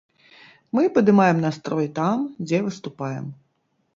Мы падымаем настрой там, дзе выступаем.